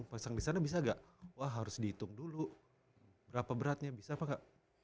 tapi kan speknya tuh banyak banget kan kalau ini belum pasang di sana bisa gak wah harus dihitung dulu berapa beratnya bisa apa gak